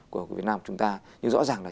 của việt nam chúng ta nhưng rõ ràng là